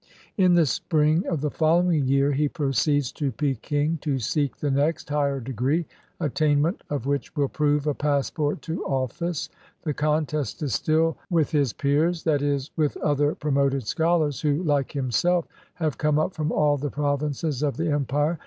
In the spring of the following year he proceeds to Peking to seek the next higher degree, attainment of which will prove a passport to office. The contest is still with his peers; that is, with other "Promoted Scholars," who, like himself, have come up from all the provinces of the empire.